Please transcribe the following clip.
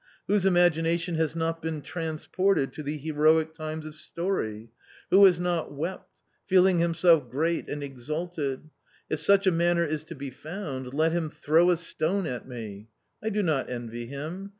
Whose imagination has not been trans ported to the heroic times of story ? Who has not wept, feeling himself great and exalted ? Jf such a man is to be found, let him throw a stone at me. I do not envy him.